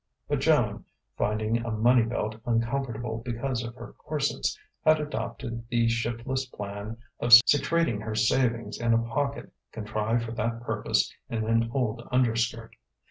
But Joan (finding a money belt uncomfortable because of her corsets) had adopted the shiftless plan of secreting her savings in a pocket contrived for that purpose in an old underskirt.